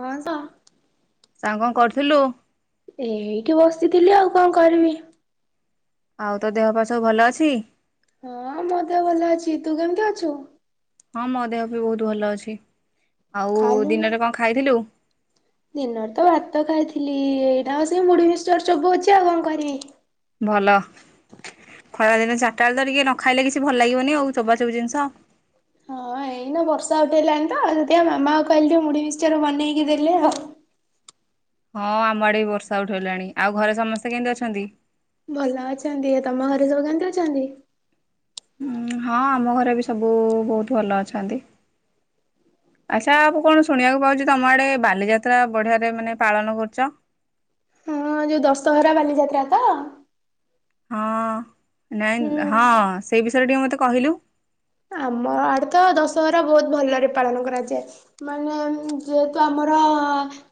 ହଁ ତ ସାଙ୍ଗ କଣ କରୁଥିଲୁ? ଏଇଠି ବସିଥିଲି ଆଉ କଣ କରିବି ଆଉ ତୋ ଦେହ ବା ସବୁ ଭଲ ଅଛି। ହଁ ମତେ ଭଲ ଅଛି ତୁ କେମିତି ଅଛୁ? ହଁ ମୋ ଦେହ ବି ବହୁତ ଭଲ ଅଛି। ଆଉ ଖାଇଲୁଣି? ଦିନରେ କଣ ଖାଇଥିଲୁ। ଦିନରେ ତ ଭାତ ଖାଇଥିଲି ଏଇଟା ଆଉ ସେ ମୁଢି ମିକ୍ସଚର ସବୁ ଅଛି ଆଉ କଣ କରିବି ଭଲ ଖରା ଦିନ ଚାିଟାବେେ ଧରିକି ନ ଖାଇଲେ କିଛି ଭଲ ଲାଗିବନି ଆଉ ଚୋବା ଚୋବ ଜିନିଷ ହଁ ଏଇନା ବର୍ଷା ଉଠେଇଲାଣି ତ ଯଦି ଆଉ ମାମା କହିଲେ ମୁଢି ମିକ୍ସଚର ବନେଇକି ଦେଲେ ଆଉ ହଁ ଆମ ଆଡେ ବି ବର୍ଷା ଉଠି ହେଲାଣି ଆଉ ଘରେ ସମସ୍ତେ କେମତି ଅଛନ୍ତି। ଭଲ ଅଛନ୍ତି ତମ ଘରେ ସବୁ କେମିତି ଅଛନ୍ତି। ହୁଁ ହଁ ଆମ ଘରେ ବି ସବୁ ବହୁତ ଭଲ ଅଛନ୍ତି ଆଚ୍ଛା ଆ କଣ ଶୁଣିବାକୁ ପାଉଛି ତମ ଆଡେ ବାଲିଯାତ୍ରା ବଢିଆରେ ମାନେ ପାଳନ କରୁଛ। ହଁ ଯୋଉ ଦଶହରା ବାଲିଯାତ୍ରା ତ ହଁ ନାଇଁ ହଁ ହୁଁ। ସେଇ ବିଷୟ ଟିକେ ମତେ କହିଲୁ? ଆମ ଆଡେ ତ ଦଶହରା ବହୁତ ଭଲରେ ପାଳନ କରାଯାଏ ମାନେ ଯେହେତୁ ଆମର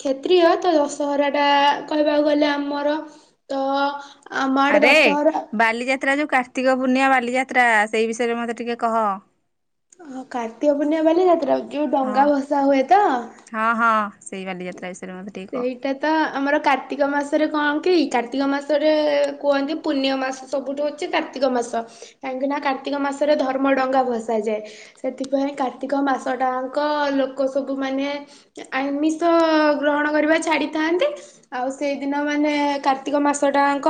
କ୍ଷତ୍ରୀିୟ ତ ଦଶହରା ଟା କହିବାକୁ ଗଲେ ଆମର ତ ଆମ ଆଡେ ଆରେ ଦଶହରା ବାଲିଯାତ୍ରା ଯୋଉ କାର୍ତ୍ତିକ ପୂର୍ଣ୍ଣିଆ ବାଲିଯାତ୍ରା ସେଇ ବିଷୟରେ ମତେ ଟିକେ କହ ଓ କାର୍ତ୍ତିକ ପୂର୍ଣ୍ଣିମା ବାଲି ଯାତ୍ରା ଯୋଉ ହଁ ଡଙ୍ଗା ଭସା ହୁଏ ତ ହଁ ହଁ ସେଇ ବାଲିଯାତ୍ରା ବିଷୟରେ ମତେ ଟିକେ କହ। ସେଇଟା ତ ଆମର କାର୍ତ୍ତିକ ମାସରେ କଣ କାର୍ତ୍ତିକ କାର୍ତ୍ତିକ ମାସରେ କୁହନ୍ତି ପୂଣ୍ୟ ମାସ ସବୁଠୁ ହଉଛି କାର୍ତ୍ତିକ ମାସ କାହିଁକି ନା କାର୍ତ୍ତିକ ମାସରେ ଧର୍ମ ଡଙ୍ଗା ଭସାଯାଏ ସେଥିପାଇଁ କାର୍ତ୍ତିକ ମାସ ଟାଙ୍କ ଲୋକ ସବୁ ମାନ ତ ଗ୍ରହଣ କରିବା ଛାଡ଼ିଥାନ୍ତି ଆଉ ସେଇଦିନ ମାନେ କାର୍ତ୍ତିକ ମାସ ଟାଙ୍କ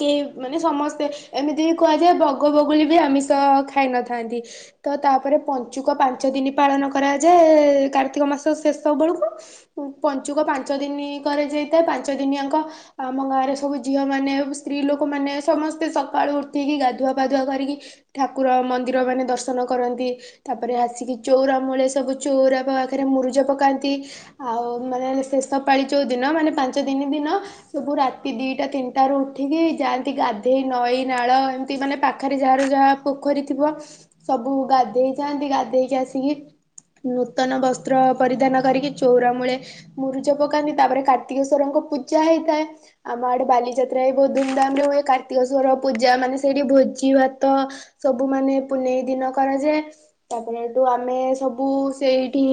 କେହି ମାନେ ସମସ୍ତେ ଏମିତି ବି କୁହାଯାଏ ବଗ ବଗୁଲି ବି ଆମିଷ ଖାଇନଥାନ୍ତି ତ ତାପରେ ପଞ୍ଚୁକ ପାଞ୍ଚ ଦିନ ପାଳନ କରାଯାଏ କାର୍ତ୍ତିକ ମାସ ଶେଷ ବେଳକୁ ପଞ୍ଚୁକ ପାଞ୍ଚ ଦିନି କରାଯାଇଥାଏ ପାଞ୍ଚ ଦିନିଆଙ୍କ ଆମ ଗାଁରେ ସବୁ ଝିଅ ମାନ ସ୍ତ୍ରୀ ଲୋକମାନୋନ ସମସ୍ତେ ସକାଳୁ ଉଠେଇକି ଗାଧୁଆ ପାଧୁଆ କରିକି ଠାକୁର ମନ୍ଦିର ମାନେ ଦର୍ଶନ କରନ୍ତି ତାପରେ ଆସିକି ଚଉରା ମୂଳେ ସବୁ ଚଉରା ପାଖରେ ମୁରୁଜ ପକାନ୍ତି। ଆଉ ମାନେ ଶେଷ ପାାଳି ଚଉଦିନ ମାନେ ପାଞ୍ଚ ଦନି ଦିନ ସବୁ ରାତି ଦିଇଟା ତିନିଟାରୁ ଉଠିକି ଯାଆନ୍ତି ଗାଧେଇ ନଈ ନାଳ ଏମିତି ମାନେ ପାଖରେ ଯାହାର ଯାହା ପୋଖରୀ ଥିବ ସବୁ ଗାଧେଇ ଯାଆନ୍ତି ଗାଧେଇକି ଆସିକି ନୂତନ ବସ୍ତ୍ର ପରିଧାନ କରିକି ଚଉର ମୂଳେ ମୁରୁଜ ପକାନ୍ତି ତାପରେ କାର୍ତ୍ତିକେଶ୍ଵରଙ୍କ ପୂଜା ହେଇଥାଏ ଆମ ଆଡେ ବାଲିଯାତ୍ରା ବି ବହୁତ ଧୁମଧାମ ରେ ହୁଏ କାର୍ତ୍ତିକେଶ୍ଵର ପୂଜା ମାନେ ସେଇଠି ଭୋଜି ଭାତ ସବୁ ମାନେ ପୁନେଇ ଦିନ କରାଯାଏ ତାପରେ ଏଠୁ ଆମେ ସବୁ ସେଇଠି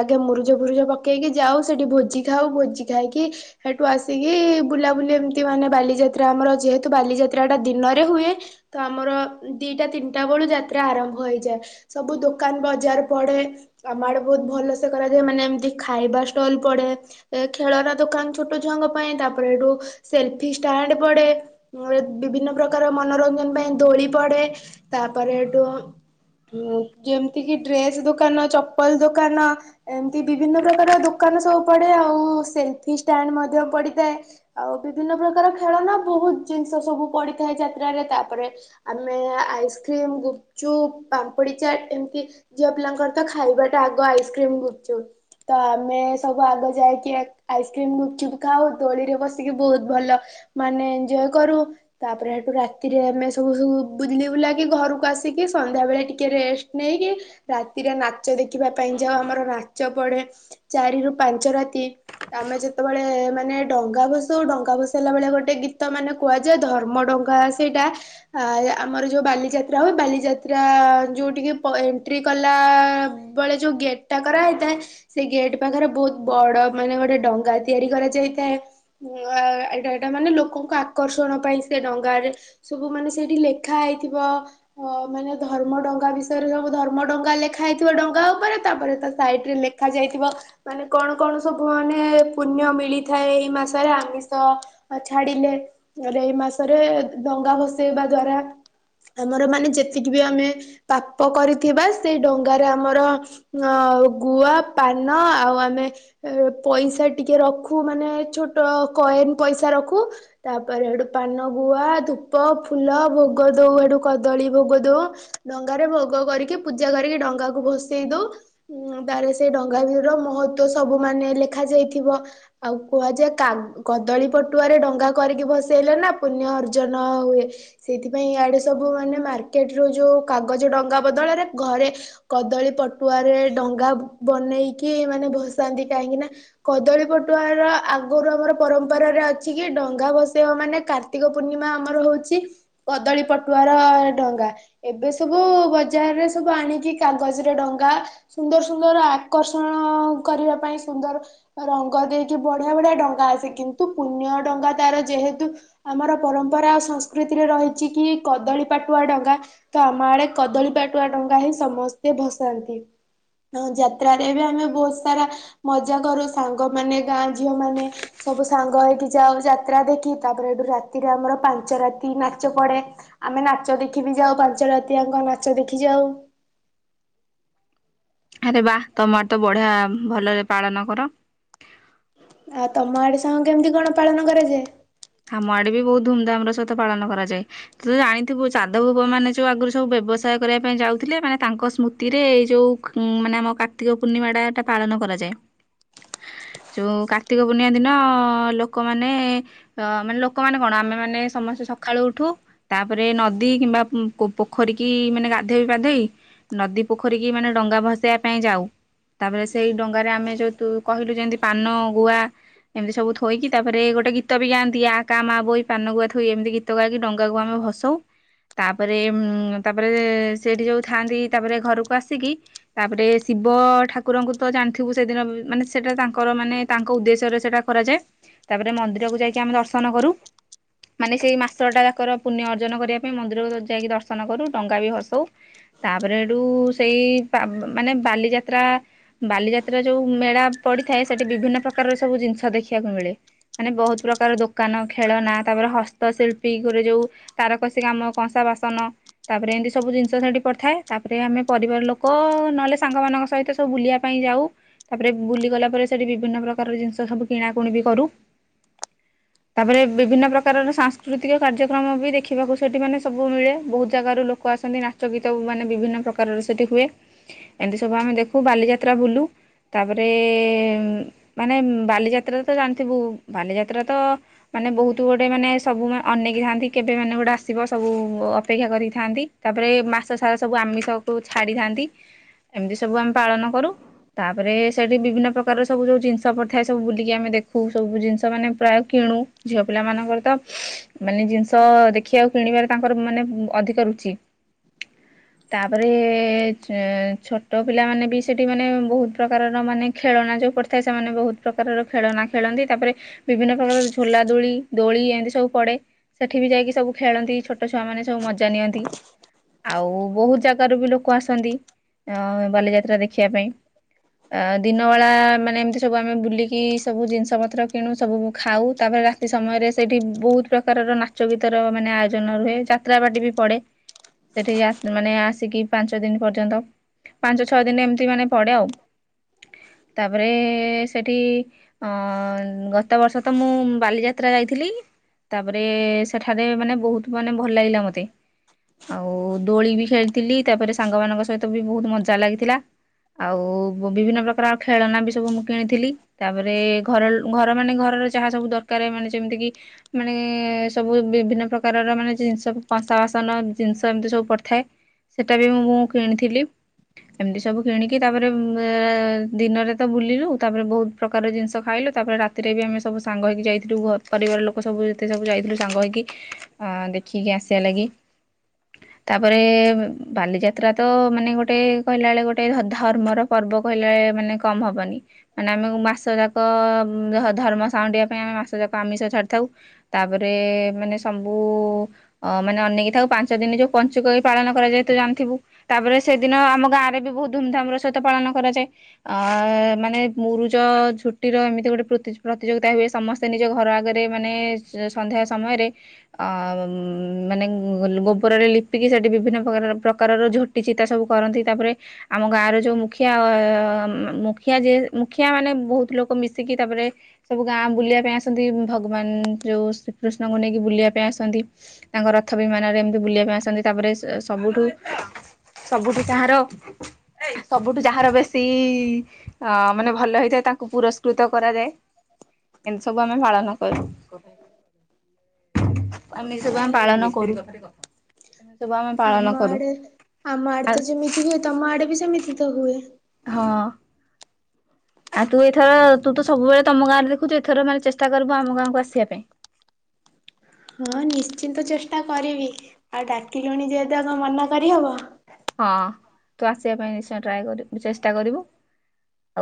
ଆଗେ ମୁରୁଜ ଭଜ ଭୁଜ ପକେଇକି ଯାଉ ସେଠି ଭୋଜି ଖାଉ ଭୋଜି ଖାଇକି ସେଠୁ ଆସିକି ବୁଲାବୁଲି ଏମତି ମାନେ ବାଲିଯାତ୍ରା ଆମର ଯେହେତୁ ବାଲିଯାତ୍ରା ଟା ଦିନରେ ହୁଏ ତ ଆମର ଦିଟା ତିନିଟା ବେଳୁ ଯାତ୍ରା ଆରମ୍ଭ ହେଇଯାଏ ସବୁ ଦୋକାନ ବଜାର ପଡେ ଆମ ଆଡେ ବହୁତ ଭଲ ସେ କର ମାନେ ଏମିତି ଖାଇବା ଷ୍ଟଲ ପଡେ ଖେଳନା ଦୋକାନ ଛୋଟ ଛୁଆଙ୍କ ପାଇଁ ତାପରେ ଏଠୁ ସେଲଫି ଷ୍ଟାଣ୍ଡ ପଡେ ବିଭିନ୍ନ ପ୍ରକାର ମନୋରଞ୍ଜନ ପାଇଁ ଦୋଳି ପଡେ ତାପରେ ଏଠୁ ଯେମିତି କିି ଡ୍ରେସ ଦୋକାନ ଚପଲ ଦୋକାନ ଏମତି ବିଭିନ୍ନ ପ୍ରକାର ଦୋକାନ ସବୁ ପଡେ ଆଉ ସେଲଫି ଷ୍ଟାଣ୍ଡ ମଧ୍ୟ ପଡିଥାଏ ଆଉ ବିଭିନ୍ନ ପ୍ରକାର ଖେଳନା ବହୁତ ଜିନିଷ ସବୁ ପଡିଥାଏ ଯାତ୍ରରେ ତାପରେ ଆମେ ଆଇସ୍କ୍ରିମ ଗୁପଛୁ ପାମ୍ପୁଡି ଚାଟ ଏମିତି ଝିଅ ପିଲାଙ୍କର ତ ଖାଇବାଟା ଆଗ ଆଇସ୍କ୍ରିମ ଗୁପୁ ତ ଆମେ ସବୁ ଆଗ ଯାଇକି ଆଇସ୍କ୍ରିମ ଖାଉ ଦୋଳିରେ ବସିକି ବହୁତ ଭଲ ମାନେ ଏଞ୍ଜୟ କରୁ ତାପରେ ସେଠୁ ରାତିରେ ଆମେ ସବୁ ସବୁ ବୁଲି ବୁଲାକି ଘରକୁ ଆସିକି ସନ୍ଧ୍ୟା ବେଳେ ଟିକେ ରେଷ୍ଟ ନେଇକି ରାତିରେ ନାଚ ଦେଖିବା ପାଇଁ ଯାଉ ଆମର ଚ ପଡେ ଚାରି ରୁ ପାଞ୍ଚ ରାତି ଆମେ ଯେତେବେଳେ ମାନେ ଡଙ୍ଗା ବସଉ ଡଙ୍ଗା ବସେଇଲା ବେଳେ ଗୋଟେ ଗୀତ ମାନେ କୁହାଯାଏ ଧର୍ମ ଡଙ୍ଗା ସେଇଟା ଆ ଆମର ଯୋଉ ବାଲିଯାତ୍ରା ହୁଏ ବାଲିଯାତ୍ରା ଯୋଉଠିକି ଏଣ୍ଟ୍ରି କଲା ବେଳେ ଯୋଉ ଗେଟ୍ ଟା କରାହ ସେ ଗେଟ୍ ପାଖରେ ବହୁତ ବଡ ମାନେ ଗୋଟେ ଡଙ୍ଗା ତିଆରି କରାଯାଇଥାଏ ଏଇଟା ଏଇଟା ମାନେ ଲୋକଙ୍କ ଆକର୍ଷଣ ପାଇଁ ସେ ଡଙ୍ଗାରେ ସବୁ ମାନେ ସେଇଠି ଲେଖା ହେଇଥିବ ଅ ମାନେ ଧର୍ମ ଡଙ୍ଗା ବିଷୟରେ ସବୁ ଧର୍ମ ଡଙ୍ଗା ଲେଖା ହେଇଥିବ ଡଙ୍ଗା ଉପରେ ତାପରେ ସାଇଟ ରେ ଲେଖା ଯାଇଥିବ ମାନେ କଣ କଣ ସବୁ ମାନେ ପୁଣ୍ୟ ମିଳିଥାଏ ଏଇ ମାସରେ ଆମିଷ ଛାଡ଼ିଲେ ଏଇ ମାସରେ ଡଙ୍ଗା ଭସେଇବା ଦ୍ଵାରା ଆମର ମାନେ ଯେତିକି ବି ଆମେ ପାପ କରିଥିବା ସେଇ ଡଙ୍ଗାରେ ଆମର ଅ ଗୁଆ, ପାନ ଆଉ ଆମେ ଏ ପଇସା ଟିକେ ରଖୁ ମାନେ ଛୋଟ କଏନ୍ ପଇସା ରଖୁ। ତାପରେ ଏଠୁ ପାନ, ଗୁଆ, ଧୂପ, ଫୁଲ, ଭୋଗ ଦଉ। ଏଠୁ କଦଳୀ ଭୋଗ ଦଉ। ଡଙ୍ଗାରେ ଭୋଗ କରିକି ପୂଜା କରିକି ଡଙ୍ଗା କ ଭସେଇ ଦଉ। ଉଁ ଗାଁ ରେ ସେ ଡଙ୍ଗା ବିର ମହତ୍ବ ସବୁ ମାନେ ଲେଖା ଯାଇଥିବ। ଆଉ କୁହାଯାଏ କା କଦଳୀ ପଟୁଆରେ ଡଙ୍ଗା କରିକି ଭସେଇଲେ ନା ପୁଣ୍ୟ ଅର୍ଜନ ହୁଏ। ସେଇଥିପାଇଁ ଇଆଡେ ସବୁ ମାନେ ମାର୍କେଟ ର ଯୋଉ କାଗଜ ଡଙ୍ଗା ବଦଳରେ ଘରେ କଦଳୀ ପଟୁଆରେ ଡଙ୍ଗା ବ୍ ବନେଇକି ମାନେ ଭସାନ୍ତି। କାହିଁକି ନା କଦଳୀ ପଟୁଆ ର ଆଗରୁ ଆମର ପରମ୍ପରାରେ ଅଛି କି ଡଙ୍ଗା ଭସେଇବା ମାନେ କାର୍ତ୍ତିକ ପୂର୍ଣ୍ଣିମା ଆମର ହଉଛି କଦଳୀ ପଟୁଆର ଡଙ୍ଗା। ଏବେ ସବୁ ବଜାରରେ ସବୁ ଆଣିକି କାଗଜର ଡଙ୍ଗା ସୁନ୍ଦର ସୁନ୍ଦର ଆକର୍ଷଣ-ଅ-ଅ କରିବା ପାଇଁ ସୁନ୍ଦର ରଙ୍ଗ ଦେଇକି ବଢିଆ ବଢିଆ ଡଙ୍ଗା ଆସେ। କିନ୍ତୁ ପୁଣ୍ୟ ଡଙ୍ଗା ତାର ଯେହେତୁ ଆମର ପରମ୍ପରା ଆଉ ସଂସ୍କୃତିରେ ରହିଛି କି କଦଳୀ ପାଟୁଆ ଡଙ୍ଗା। ତ ଆମ ଆଡେ କଦଳୀ ପାଟୁଆ ଡଙ୍ଗା ହିଁ ସମସ୍ତେ ଭସାନ୍ତି। ହ ଯାତ୍ରାରେ ବି ଆମେ ବହୁତ ସାରା ମଜା କରୁ ସାଙ୍ଗମାନେ, ଗାଁ ଝିଅ ମାନେ ସବୁ ସାଙ୍ଗ ହେଇକି ଯାଉ ଯାତ୍ରା ଦେଖି। ତାପରେ ଏଠୁ ରାତିରେ ଆମର ପାଞ୍ଚ ରାତି ନାଚ ପଡେ। ଆମେ ନାଚ ଦେଖି ବି ଯାଉ ପାଞ୍ଚ ରାତି ଆଙ୍କ ନାଚ ଦେଖି ଯାଉ। ଆରେ ବା ତମର ତ ବଢିଆ ଭଲରେ ପାଳନ କର। ଆଉ ତମ ଆଡେ ସାଙ୍ଗ କେମିତି କଣ ପାଳନ କରାଯାଏ? ଆମ ଆଡେ ବି ବହୁତ ଧୁମଧାମ ର ସହିତ ପାଳନ କରାଯାଏ। ତୁ ତ ଜାଣିଥିବୁ ସାଧବ ପୁଅମାନେ ଯୋଉ ଆଗରୁ ସବୁ ବ୍ୟବସାୟ କରିବା ପାଇଁ ଯାଉଥିଲେ ମାନେ ତାଙ୍କ ସ୍ମୃତିରେ ଏଇ ଯୋଉ ଉ-ଉ ମାନେ ଆମ କାର୍ତ୍ତିକ ପୂର୍ଣ୍ଣିମା ଟାଟା ପାଳନ କରାଯାଏ। ଯୋଉ କାର୍ତ୍ତିକ ପୂର୍ଣ୍ଣିମା ଦିନ ଅ-ଅ-ଅ-ଅ ଲୋକମାନେ ଏ-ଏ ତ ମାନେ ଲୋକମାନେ କଣ ଆମେମାନେ ସମସ୍ତେ ସଖାଳୁ ଉଠୁ ତାପରେ ନଦୀ କିମ୍ବା ଉ କ ପୋଖରୀ କିି ଇ-ଇ ମାନେ ଗାଧେଇ ପାଧେଇ ନଦୀ ପୋଖରୀକି ମାନେ ଡଙ୍ଗା ଭସେଇବା ପାଇଁ ଯାଉ। ତାପରେ ସେଇ ଡଙ୍ଗାରେ ଆମେ ଯୋଉ ତୁ କହିଲୁ ଯେମିତି ପାନ, ଗୁଆ ଏମିତି ସବୁ ଥୋଇକି ତାପରେ ଗୋଟେ ଗୀତ ବି ଗାଆନ୍ ଦିଆ ଆକା ମା ବୋଇ ପାନ ଗୁଆ ଥୋଇ ଏମିତି ଗୀତ ଗାଇକି ଡଙ୍ଗାକୁ ଆମେ ଭସଉ। ତାପରେ ଉମ୍-ମ୍-ମ୍ ତାପରେ ଏ-ଏ-ଏ ସେଠି ଯୋଉ ଥାଆନ୍ତି ତାପରେ ଘରକୁ ଆସିକି, ତାପରେ ଶିବ ଠାକୁରଙ୍କୁ ତ ଜାଣିଥିବୁ ସେଦିନ ମାନେ ସେଟା ତାଙ୍କର ମାନେ ତାଙ୍କ ଉଦ୍ଦେଶ୍ୟରେ ସେଟା କରାଯାଏ। ତାପରେ ମନ୍ଦିରକୁ ଯାଇକି ଆମେ ଦର୍ଶ ଦର୍ଶନ କରୁ ମାନେ ସେଇ ମାସଟା ଯାକର ପୁଣ୍ୟ ଅର୍ଜନ କରିବା ପାଇଁ ମନ୍ଦିର ଯାଇକି ଦର୍ଶନ କରୁ। ଡଙ୍ଗା ବି ଭସଉ। ତାପରେ ଏଠୁ ଉ-ଉ-ଉ ସେଇ-ଇ ପା ମ-ମ ମାନେ ବାଲିଯାତ୍ରା ବାଲିଯାତ୍ରା ଯୋଉ ମେଳା ପଡିଥାଏ। ସେଠି ବିଭିନ୍ନ ପ୍ରକାରର ସବୁ ଜିନିଷ ଦେଖିବାକୁ ମିଳେ ମାନେ ବହୁତ ପ୍ରକାର ଦୋ ଦୋକାନ ଖେଳନା ତାପରେ ହସ୍ତଶିଳ୍ପୀ ଗୋଟେ ଯୋଉ ତାରକସୀ କାମ, କଂସା ବାସନ ତାପରେ ଏମିତି ସବୁ ଜିନିଷ ସେଠି ପଡ଼ିଥାଏ। ତାପରେ ଆମେ ପରିବାର ଲୋକ ଅ-ଅ ନହେଲେ ସାଙ୍ଗମାନଙ୍କ ସହିତ ସବୁ ବୁଲିବା ପାଇଁ ଯାଉ। ତାପରେ ବୁଲି ଗଲା ପରେ ସେଠି ବିଭିନ୍ନ ପ୍ରକାର ଜିନିଷ ସବୁ କିଣାକୁଣି ବି କରୁ। ତାପରେ ବିଭିନ୍ନ ପ୍ରକାରର ସାଂସ୍କୃତିକ କାର୍ଯ୍ୟକ୍ରମ ବି ଦେଖିବାକୁ ସେଠି ମାନେ ସବୁ ମିଳେ। ବହୁତ ଜାଗାରୁ ଲୋକ ଆସନ୍ତି ନାଚ ଗୀତ ମାନେ ବିଭିନ୍ନ ପ୍ରକାରର ସେଠି ହୁଏ। ଏମିତି ସବୁ ଆମେ ଦେଖୁ ବାଲିଯାତ୍ରା ବୁଲୁ ତାପରେ ଏ-ଏ-ଏ ମାନେ ବାଲିଯାତ୍ରା ତ ଜାଣିଥିବୁ ବାଲିଯାତ୍ରା ତ ମାନେ ବହୁତ ଗୋଟେ ମାନେ ସବୁ ମା ଅନେଇକି ଥାନ୍ତି କେବେ ମାନେ ଗୋଟେ ଆସିବ ସବୁ ଉ-ଉ ଅପେକ୍ଷା କରିକିଥାନ୍ତି। ତାପରେ ମାସ ସାରା ସବୁ ଆମିଷକୁ ଛାଡିଥାନ୍ତି। ଏମିତି ସବୁ ଆମେ ପାଳନ କରୁ। ତାପରେ ସେଠି ବିଭିନ୍ନ ପ୍ରକାରର ସବୁ ଯୋଉ ଜିନିଷ ପଡିଥାଏ ସବୁ ବୁଲିକି ଆମେ ଦେଖୁ ସବୁ ଜିନିଷ ମାନେ ପ୍ରାୟ କିଣୁ। ଝିଅ ପିଲା ମାନଙ୍କର ତ ମାନେ ଜିନିଷ ଦେଖିବାକୁ କିଣିବାରେ ତାଙ୍କର ମାନେ ଅଧିକ ରୁଚି। ତାପରେ ଏ-ଏ-ଏ ଛୋଟ ପିଲା ମାନେ ବି ସେଠି ମାନେ ବହୁତ ପ୍ରକାରର ମାନେ ଖେଳନା ଯୋଉ ପଡିଥାଏ ସେମାନେ ବହୁତ ପ୍ରକାରର ଖେଳନା ଖେଳନ୍ତି। ତାପରେ ବିଭିନ୍ନ ପ୍ରକାର ଝୋଲା ଦୋଳି ଦୋଳି ଏମିତି ସବୁ ପଡ଼େ। ସେଠି ବି ଯାଇକି ସବୁ ଖେଳନ୍ତି। ଛୋଟ ଛୁଆମାନେ ସବୁ ମଜା ନିଅନ୍ତି। ଆଉ ବହୁତ ଜାଗାରୁ ବି ଲୋକ ଆସନ୍ତି। ଅ-ଅ ବାଲିଯାତ୍ରା ଦେଖିବା ପାଇଁ। ଆ ଦିନବଳା ମାନେ ଏମିତି ସବୁ ଆମେ ବୁଲିକି ସବୁ ଜିନିଷ ପତ୍ର କିଣୁ ସବୁ ଖାଉ ତାପରେ ରା ଏ ସମୟରେ ସେଇଠି ବହୁତ ପ୍ରକାରର ନାଚ ଗୀତର ମାନେ ଆୟୋଜନ ରୁହେ। ଯାତ୍ରାବାଟି ବି ପଡ଼େ। ସେଠି ଆସ୍ ମାନେ ଆସିକି ପାଞ୍ଚ ଦିନ ପର୍ଯ୍ୟନ୍ତ। ପାଞ୍ଚ ଛଅ ଦିନ ଏମିତି ମାନେ ପଡ଼େ ଆଉ। ତାପରେ ଏ-ଏ-ଏ ସେଠିଇ-ଇ-ଇ ଅ-ଅ ଗତବର୍ଷ ତ ବାଲିଯା ତ୍ରା ଯାଇଥିଲି ତାପରେ ସେଠାରେ ମାନେ ବହୁତ ମାନେ ଭଲ ଲାଗିଲା ମୋତେ। ଆଉ ଦୋଳି ବି ଖେଳିଥିଲି ତାପରେ ସାଙ୍ଗମାନଙ୍କ ସହିତ ବି ବହୁତ ମଜା ଲାଗିଥିଲା। ଆଉ ବ୍ ବିଭିନ୍ନ ପ୍ରକାର ଖେଳନା ବି ସବୁ ମୁଁ କିଣିଥିଲି। ତାପରେ ଏ -ଏ ଘର ର ମାନେ ଘର ଯାହା ସବୁ ଦରକାରେ ମାନେ ଯେମିତି କିି ମାନେ ଏ-ଏ-ଏ ସବୁ ବିଭିନ୍ନ ପ୍ରକାରର ମାନେ ଜିନିଷ କଂସା ବାସନ ଜିନିଷ ଏମିତି ସବୁ ପଡ଼ିଥାଏ। ସେଟା ବି ମୁଁ ମୁ କିଣିଥିଲି। ଏମିତି ସବୁ କିଣିକି ତାପରେ ଏ-ଏ-ଏ-ଏ ଦିନରେ ତ ବୁଲିଲୁ, ତାପରେ ବହୁତ ପ୍ରକାରର ଜିନିଷ ଖାଇଲୁ। ତାପରେ ରାତିରେ ବି ଆମେ ସବୁ ସାଙ୍ଗ ହେଇକି ଯାଇଥିଲୁ ଘ ପରିବାର ଲୋକ ସବୁ ଯେତେ ସବୁ ଯାଇଥିଲୁ ସାଙ୍ଗ ହେଇକି ଅ ଦେଖିକି ଆସିବା ଲାଗି। ତାପରେ ଏ-ଏ-ଏ ବାଲିଯାତ୍ରା ତ ମାନେ ଗୋଟେ କହିଲା ଭଳି ଗୋଟେ ଧ ଧର୍ମର ପର୍ବ କହିଲେ ଏ-ଏ -ଏ ମାନେ କମ୍ ହବନି। ମାନେ ଆମେ ମାସ ଯାକ ଅ-ଅ-ଅ ଧ ଧର୍ମ ସାଉଣ୍ଡିବା ପାଇଁ ଆମେ ମାସ ଯାକ [unintelligible] ଛାଡିଥାଉ ତାପରେ ଏ-ଏ ମାନେ ସବୁ ଉ-ଉ ଅ ମାନେ ଅନେଇକି ଥାଉ ପାଞ୍ଚ ଦିନ ଯୋଉ ପଞ୍ଚୁକ ହୁ ପାଳନ କରାଯାଏ ତ ଜାଣିଥିବୁ। ତାପରେ ସେଦିନ ଆମ ଗାଁରେ ବି ବହୁତ ଧୁମଧାମ ର ସହିତ ପାଳନ କରାଯାଏ। ଆ-ଆ-ଆ ମାନେ ମୁରୁଜ ଝୁ ଟି ର ଏମିତି ଗୋଟେ ପ୍ରତି ପ୍ରତିଯୋଗିତା ହୁଏ ସମସ୍ତେ ନି ଘର ଆଗରେ ମାନେ ସନ୍ଧ୍ୟା ସମୟରେ ଅ-ଅ ମ-ମ ମାନେ ମ୍-ମ୍ ଗୋବରରେ ଲିପିକି ସେଠି ବିଭିନ୍ନ ପ୍ରକାରର୍ ପ୍ରକାରର ଝୋଟି ଚିତା ସବୁ କରନ୍ତି। ତାପରେ ଆମ ଗାଁର ଯୋଉ ମୁଖିଆ ଆ-ଆ-ଆ ମ ମୁଖିଆ ଯେ ମୁଖିଆ ମାନେ ବହୁତ ଲୋକ ମିଶିକି ତାପରେ ସବୁ ଗାଁ ବୁଲିବା ପାଇଁ ଆସ୍ ଭଗବାନ ଯୋଉ ଶ୍ରୀକୃଷ୍ଣଙ୍କୁ ନେଇକି ବୁଲିବା ପାଇଁ ଆସନ୍ତି। ତାଙ୍କ ରଥ ବିମାନରେ ଏମିତି ବୁଲିବା ପାଇଁ ଆସନ୍ତି। ତାପରେ ଏ ସବୁଠୁ ସବୁଠୁ ଯାହାର ସବୁଠୁ ଯାହାର ବେଶୀ ତି ଇ-ଇ ଅ ମାନେ ଭଲ ହେଇଥାଏ। ତାଙ୍କୁ ପୁରସ୍କୃତ କରାଯାଏ। ଏମିତି ସବୁ ଆମେ ପାଳନ କରୁ। ଆମେ ସବୁ ଆମ ପାଳନ କରୁ। ଏମିତି ଆମ ଆଡେ ଆମ ଆଡେ ଆଉ ତ ଯେମିତି ହୁଏ ତମ ଆଡେ ବି ସେମିତି ତ ହୁଏ। ହଁ ଆଉ ତୁ ଏଥର ତୁ ତ ସବୁବେଳେ ତମ ଗାଁ ରେ ଦେଖୁଛୁ। ଏଥର ମାନେ ଚେଷ୍ଟା କରିବୁ ଆମ ଗାଁକୁ ଆସିବା ପାଇଁ। ହଁ ନିଶ୍ଚିନ୍ତ ଚେଷ୍ଟା କରିବି ଆଉ ଡାକିଲୁଣି ଯେହେତୁ ଆଉ କଣ ମନା କରିହବ। ହଁ ତୁ ଆସିବା ପାଇଁ ନିଶ୍ଚୟ ଟ୍ରାଏ କରିବୁ ଚେଷ୍ଟା କରିବୁ।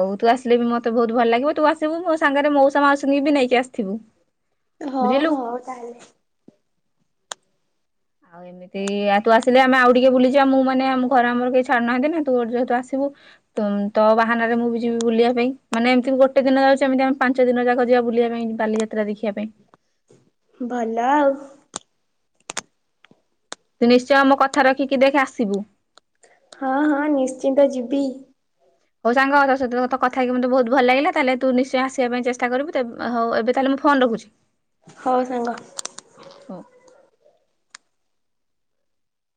ଆଉ ତୁ ଆସିଲେ ବି ମୋତେ ବହୁତ ଭଲ ଲାଗିବ। ତୁ ଆସିବୁ ମୋ ସାଙ୍ଗରେ ମଉସା ମାଉସୀ ବି ନେଇକି ଆସିଥିବୁ। ହଉ ବୁଝିଲୁ ହଉ ତାହଲେ। ଆଉ ଏମିତି ଆଉ ତୁ ଆସିଲେ ଆମେ ଆଉ ଟିକେ ବୁଲିଯିବା। ମୁଁ ମାନେ ଆମ ଘରେ ଆମର କେହି ଛାଡୁନାହାନ୍ତି ନା ତୁ ଯେହେତୁ ଆସିବୁ। ତ ତୋ ବାହାନାରେ ମୁଁ ବି ଯିବି ବୁଲିବା ପାଇଁ ମାନେ ଏମିତି ଗୋଟେ ଦିନ ଯାଉଛି, ଏମିତି ଆମେ ପାଞ୍ଚ ଦିନ ଯାକ ଯିବା ବୁଲିବା ପାଇଁ ବାଲିଯାତ୍ରା ଦେଖିବା ପାଇଁ। ଭଲ ଆଉ। ତୁ ନିଶ୍ଚୟ ଆମ କଥା ରଖିକି ଦେଖ୍ ଆସିବୁ। ହଁ ହଁ ନିଶ୍ଚିନ୍ତ ଯିବି। ହଉ ସାଙ୍ଗ ତୋ ସହିତ କଥା ହେକି ମୋତେ ବହୁତ ଭଲ ଲାଗିଲା। ତାହେଲେ ତୁ ନିଶ୍ଚୟ ଆସିବା ପାଇଁ ଚେଷ୍ଟା କରିବୁ ତେବେ ହଉ ଏବେ ତାହେଲେ ମୁଁ ଫୋନ ରଖୁଛି। ହଉ ସାଙ୍ଗ। ହଉ।